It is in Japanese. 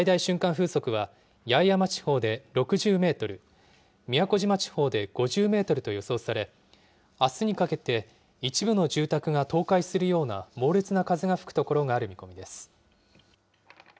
風速は八重山地方で６０メートル、宮古島地方で５０メートルと予想され、あすにかけて一部の住宅が倒壊するような猛烈な風が吹く所がある見込みです。